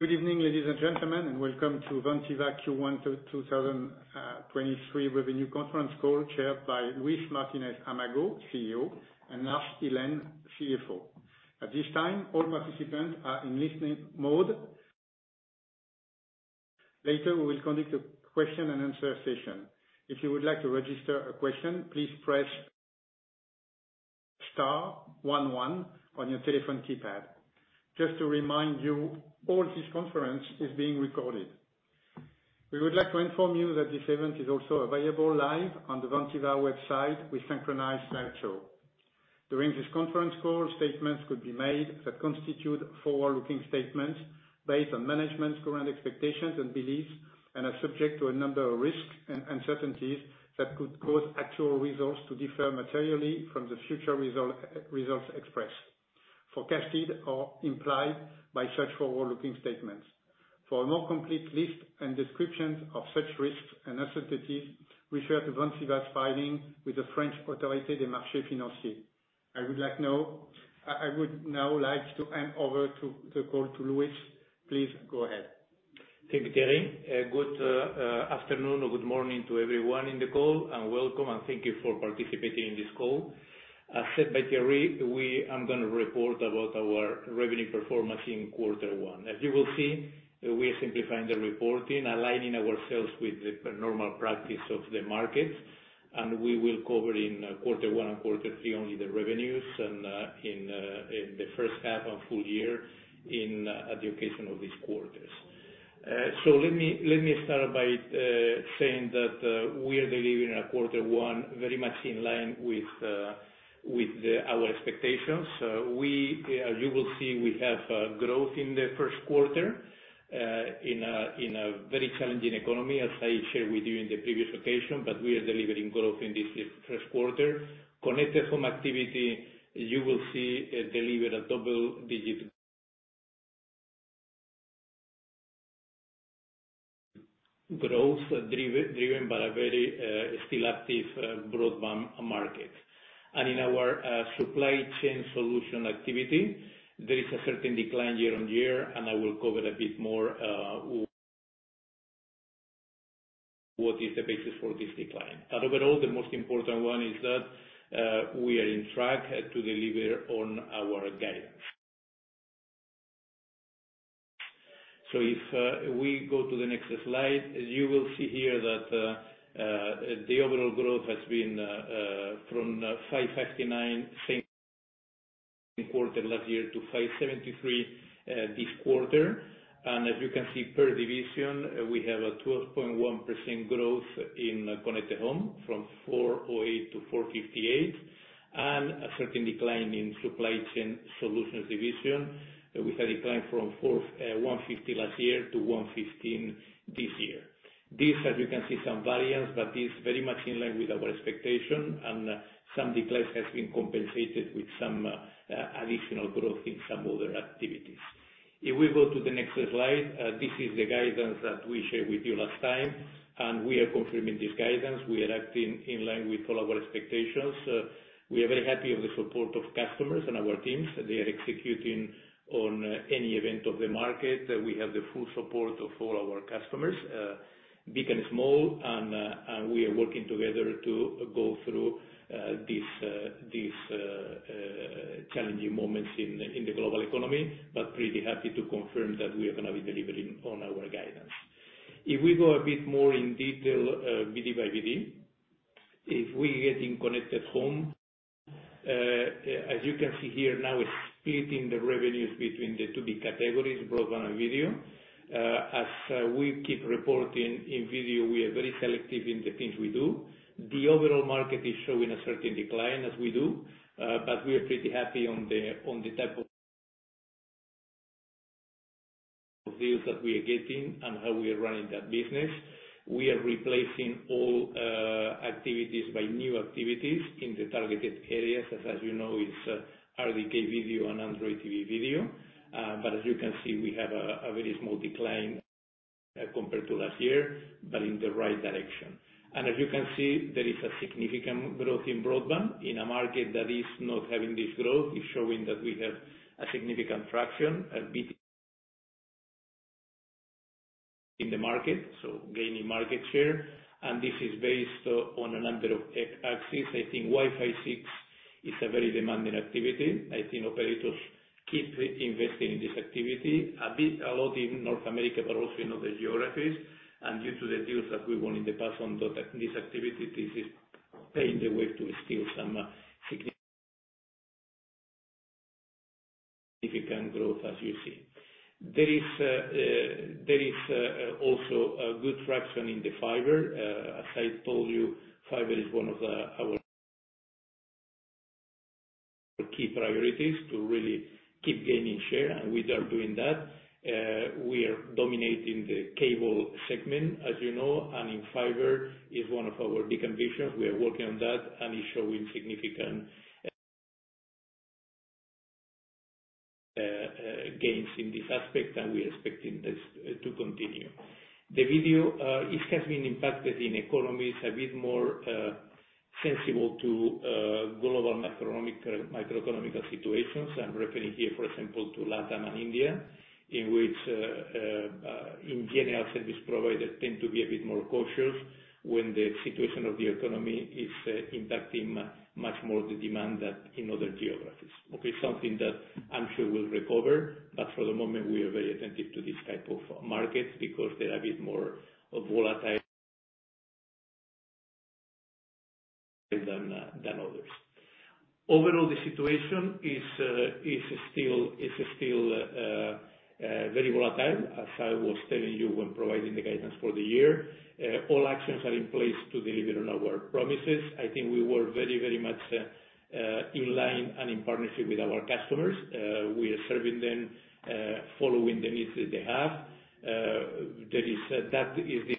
Good evening, ladies and gentlemen, and welcome to Vantiva Q1 2023 Revenue Conference Call, chaired by Luis Martinez-Amago, CEO, and Lars Ihlen, CFO. At this time, all participants are in listening mode. Later, we will conduct a question-and-answer session. If you would like to register a question, please press star one one on your telephone keypad. Just to remind you, all this conference is being recorded. We would like to inform you that this event is also available live on the Vantiva website with synchronized slideshow. During this conference call, statements could be made that constitute forward-looking statements based on management's current expectations and beliefs and are subject to a number of risks and uncertainties that could cause actual results to differ materially from the future results expressed, forecasted or implied by such forward-looking statements. For a more complete list and descriptions of such risks and uncertainties, refer to Vantiva's filing with the French Autorité des marchés financiers. I would now like to hand over to the call to Luis. Please go ahead. Thank you, Thierry. Good afternoon or good morning to everyone in the call and welcome and thank you for participating in this call. As said by Thierry, we are gonna report about our revenue performance in quarter one. As you will see, we are simplifying the reporting, aligning ourselves with the normal practice of the market. We will cover in quarter one and quarter three only the revenues, and in the first half and full year in education of these quarters. Let me start by saying that we are delivering a quarter one very much in line with our expectations. As you will see, we have growth in the first quarter, in a very challenging economy, as I shared with you in the previous occasion, but we are delivering growth in this first quarter. Connected Home activity, you will see it delivered a double-digit growth driven by a very still active broadband market. In our Supply Chain Solutions activity, there is a certain decline year-over-year, and I will cover a bit more what is the basis for this decline. Overall, the most important one is that we are in track to deliver on our guidance. If we go to the next slide, you will see here that the overall growth has been from 559 same quarter last year to 573 this quarter. As you can see per division, we have a 12.1% growth in Connected Home from 408 to 458, and a certain decline in Supply Chain Solutions division. We had a decline from 150 last year to 115 this year. This, as you can see some variance, but is very much in line with our expectation, and some declines has been compensated with some additional growth in some other activities. If we go to the next slide, this is the guidance that we shared with you last time, and we are confirming this guidance. We are acting in line with all our expectations. We are very happy of the support of customers and our teams. They are executing on any event of the market. We have the full support of all our customers, big and small, and we are working together to go through these challenging moments in the global economy, but pretty happy to confirm that we are gonna be delivering on our guidance. If we go a bit more in detail, BD by BD. If we get in Connected Home, as you can see here now, it's splitting the revenues between the two big categories, broadband and video. As we keep reporting in video, we are very selective in the things we do. The overall market is showing a certain decline as we do, we are pretty happy on the type of deals that we are getting and how we are running that business. We are replacing all activities by new activities in the targeted areas. As you know, it's RDK video and Android TV video. As you can see, we have a very small decline compared to last year, but in the right direction. As you can see, there is a significant growth in broadband in a market that is not having this growth. It's showing that we have a significant traction, a big in the market, so gaining market share. This is based on a number of axis. I think Wi-Fi 6 is a very demanding activity. I think operators keep re-investing in this activity a lot in North America, but also in other geographies. Due to the deals that we won in the past on this activity, this is paying the way to still some significant growth as you see. There is also a good traction in the fiber. As I told you, fiber is our key priorities to really keep gaining share. We are doing that. We are dominating the cable segment, as you know. In fiber is one of our big ambitions. We are working on that, and it's showing significant gains in this aspect, and we are expecting this to continue. The video, it has been impacted in economies a bit more, sensible to global macroeconomic, microeconomical situations. I'm referring here, for example, to Latin and India, in which, in general, service providers tend to be a bit more cautious when the situation of the economy is impacting much more the demand than in other geographies. Okay. Something that I'm sure will recover, but for the moment we are very attentive to this type of markets because they're a bit more volatile than others. Overall, the situation is still very volatile, as I was telling you when providing the guidance for the year. All actions are in place to deliver on our promises. I think we were very much in line and in partnership with our customers. We are serving them, following the needs that they have. That is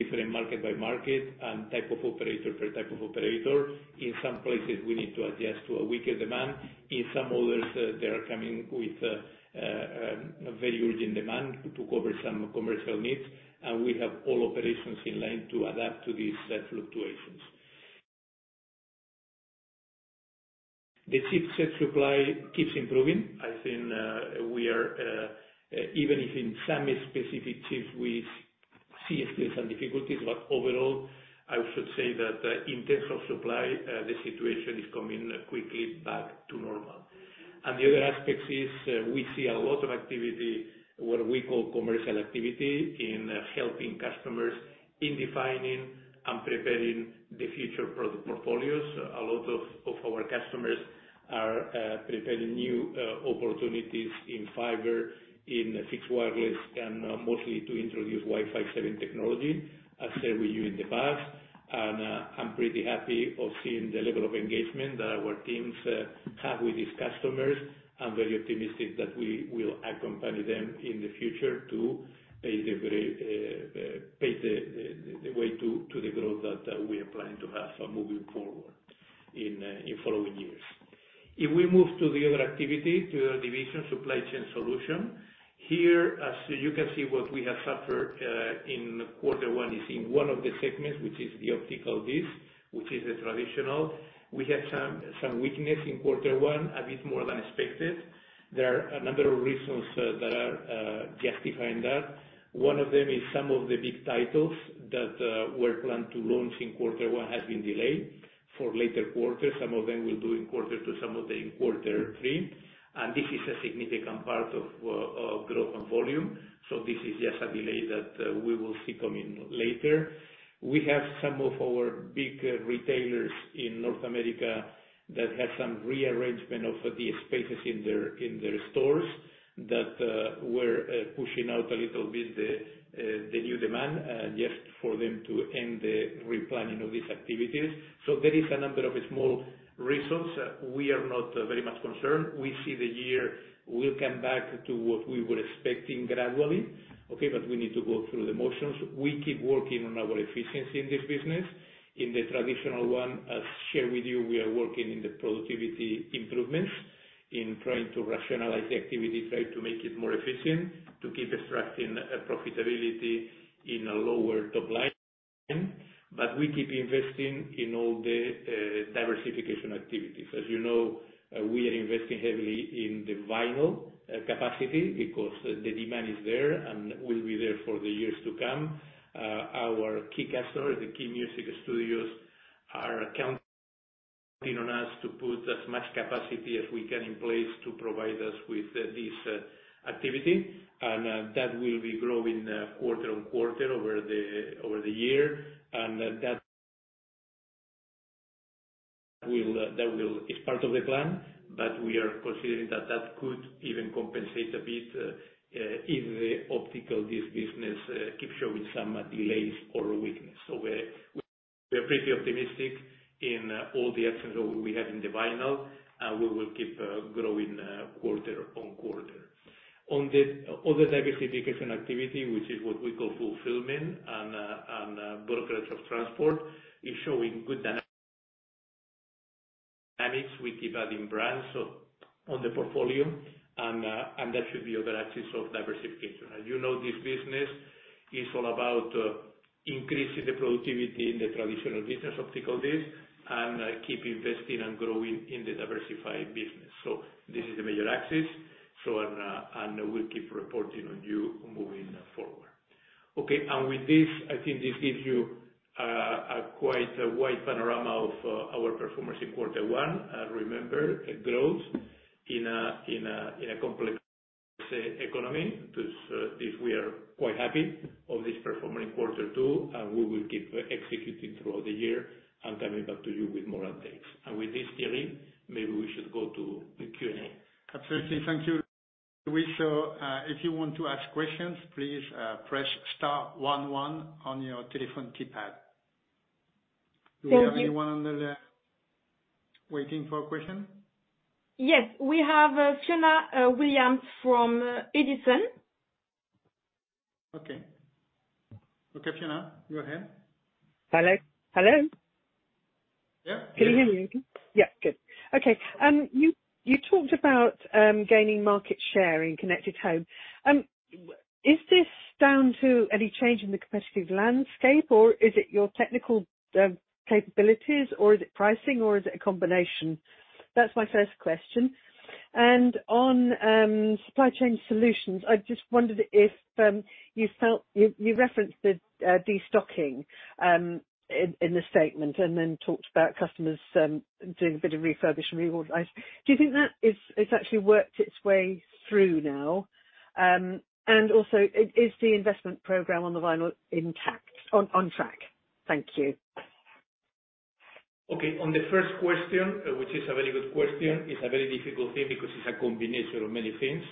different market by market and type of operator per type of operator. In some places, we need to adjust to a weaker demand. In some others, they are coming with a very urgent demand to cover some commercial needs. We have all operations in line to adapt to these fluctuations. The chipset supply keeps improving. I think we are even if in some specific chips we see still some difficulties. Overall, I should say that in terms of supply, the situation is coming quickly back to normal. The other aspects is we see a lot of activity, what we call commercial activity, in helping customers in defining and preparing the future product portfolios. A lot of our customers are preparing new opportunities in fiber, in fixed wireless, and mostly to introduce Wi-Fi 7 technology, as shared with you in the past. I'm pretty happy of seeing the level of engagement that our teams have with these customers. I'm very optimistic that we will accompany them in the future to the very pave the way to the growth that we are planning to have moving forward in following years. If we move to the other activity, to the other division, Supply Chain Solutions. Here as you can see, what we have suffered in quarter one is in one of the segments, which is the optical disc, which is the traditional. We have some weakness in quarter one, a bit more than expected. There are a number of reasons that are justifying that. One of them is some of the big titles that were planned to launch in quarter one has been delayed for later quarters. Some of them will do in quarter two, some of them in quarter three. This is a significant part of growth and volume. This is just a delay that we will see coming later. We have some of our big retailers in North America that have some rearrangement of the spaces in their, in their stores that were pushing out a little bit the new demand just for them to end the replanning of these activities. There is a number of small reasons. We are not very much concerned. We see the year will come back to what we were expecting gradually. Okay? We need to go through the motions. We keep working on our efficiency in this business. In the traditional one, as shared with you, we are working in the productivity improvements, in trying to rationalize the activity, try to make it more efficient, to keep extracting profitability in a lower top line. We keep investing in all the diversification activities. As you know, we are investing heavily in the vinyl capacity because the demand is there and will be there for the years to come. Our key customers, the key music studios, are counting on us to put as much capacity as we can in place to provide us with this activity. That will be growing quarter-on-quarter over the year. That will... It's part of the plan, but we are considering that that could even compensate a bit if the optical disc business keeps showing some delays or weakness. We're pretty optimistic in all the actions that we have in the vinyl, and we will keep growing quarter-on-quarter. On the other diversification activity, which is what we call fulfillment and brokerage of transport, is showing good dynamics. We keep adding brands on the portfolio, and that should be other axis of diversification. As you know, this business is all about increasing the productivity in the traditional business optical disc, and keep investing and growing in the diversified business. This is the major axis. We'll keep reporting on you moving forward. Okay. I think this gives you a quite a wide panorama of our performance in quarter one. Remember growth in a complex economy. This, we are quite happy of this performance in quarter two, and we will keep executing throughout the year and coming back to you with more updates. Thierry, maybe we should go to the Q&A. Absolutely. Thank you, Luis. If you want to ask questions, please, press star one one on your telephone keypad. Thank you. Do we have anyone on the waiting for a question? Yes, we have Fiona Williams from Edison. Okay. Okay, Fiona, go ahead. Hello? Yeah. Can you hear me okay? Yeah, good. Okay. You talked about gaining market share in Connected Home. Is this down to any change in the competitive landscape, or is it your technical capabilities, or is it pricing, or is it a combination? That's my first question. On Supply Chain Solutions, I just wondered if you felt. You referenced the de-stocking in the statement and then talked about customers doing a bit of refurbish and reorganize. Do you think that it's actually worked its way through now? Also, is the investment program on the vinyl intact on track? Thank you. Okay. On the first question, which is a very good question, it's a very difficult thing because it's a combination of many things,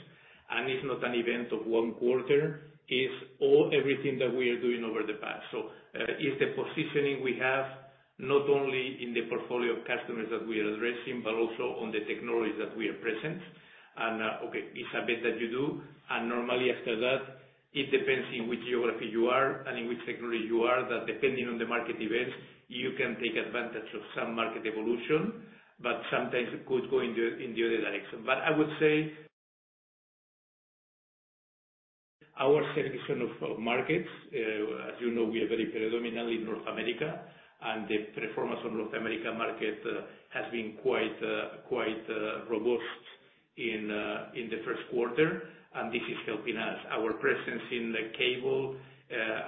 and it's not an event of one quarter. It's all everything that we are doing over the past. It's the positioning we have not only in the portfolio of customers that we are addressing, but also on the technologies that we are present. Okay, it's a bet that you do. Normally after that, it depends in which geography you are and in which sector you are, that depending on the market events, you can take advantage of some market evolution, but sometimes it could go in the, in the other direction. I would say our selection of markets, as you know, we are very predominantly North America, and the performance of North America market, has been quite robust in the first quarter, and this is helping us. Our presence in the cable,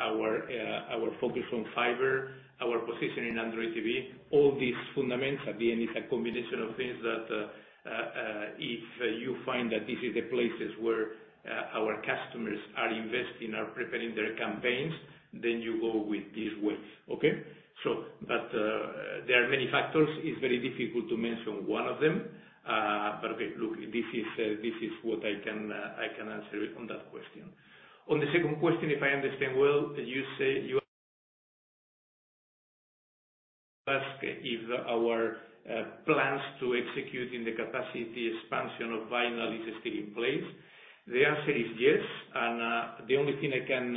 our focus on fiber, our position in Android TV, all these fundamentals at the end is a combination of things that, if you find that this is the places where, our customers are investing, are preparing their campaigns, then you go with these wins. Okay? There are many factors. It's very difficult to mention one of them, but look, this is what I can answer on that question. On the second question, if I understand well, you say you ask if our plans to executing the capacity expansion of vinyl is still in place. The answer is yes. The only thing I can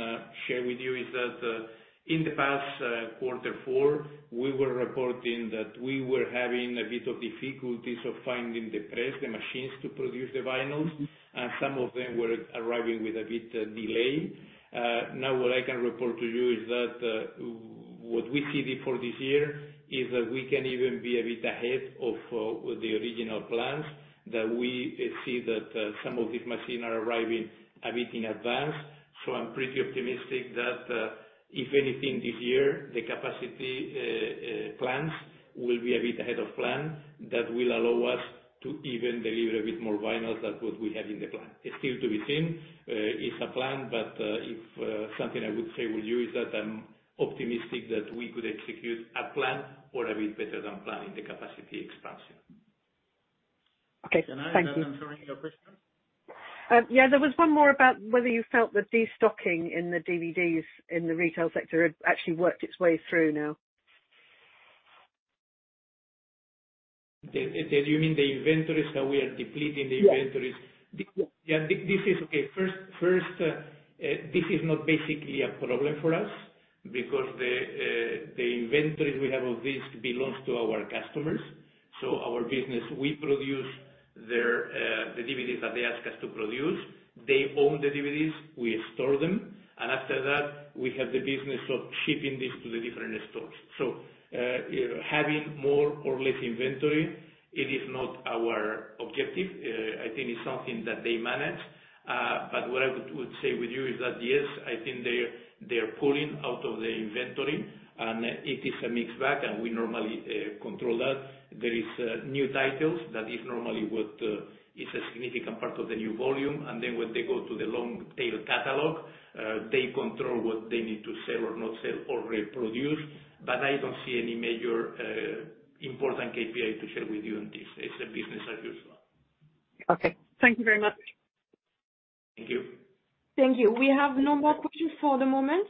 share with you is that in the past quarter four, we were reporting that we were having a bit of difficulties of finding the press, the machines to produce the vinyl, and some of them were arriving with a bit delay. Now what I can report to you is that what we see before this year is that we can even be a bit ahead of with the original plans, that we see that some of these machines are arriving a bit in advance. I'm pretty optimistic that if anything, this year the capacity plans will be a bit ahead of plan. That will allow us to even deliver a bit more vinyl than what we have in the plan. It's still to be seen. It's a plan, if something I would say with you is that I'm optimistic that we could execute a plan or a bit better than plan in the capacity expansion. Okay. Thank you. Can I come in for another question? Yeah, there was one more about whether you felt the de-stocking in the DVDs in the retail sector had actually worked its way through now? Do you mean the inventories that we are depleting the inventories? Yes. Yeah. Okay, first, this is not basically a problem for us because the inventories we have of this belongs to our customers. Our business, we produce their the DVDs that they ask us to produce. They own the DVDs, we store them, and after that, we have the business of shipping this to the different stores. Having more or less inventory, it is not our objective. I think it's something that they manage. But what I would say with you is that, yes, I think they're pulling out of the inventory and it is a mixed bag, and we normally control that. There is new titles. That is normally what is a significant part of the new volume. When they go to the long tail catalog, they control what they need to sell or not sell or reproduce. I don't see any major, important KPI to share with you on this. It's a business as usual. Okay. Thank you very much. Thank you. Thank you. We have no more questions for the moment.